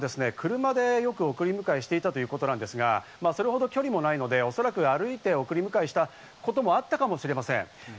お母さんもですね、車でよく送り迎えしていたということなんですが、それほど距離もないので、おそらくが歩いて送り迎えしたこともあったかもしれません。